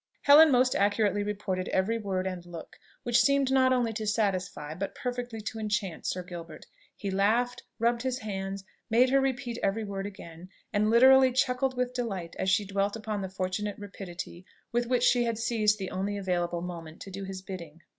Helen most accurately reported every word and look; which seemed not only to satisfy, but perfectly to enchant Sir Gilbert. He laughed, rubbed his hands, made her repeat every word again, and literally chuckled with delight as she dwelt upon the fortunate rapidity with which she had seized the only available moment to do his bidding.